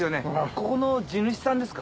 ここの地主さんですか？